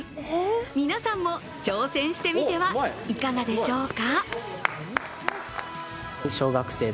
皆さんも挑戦してみてはいかがでしょうか？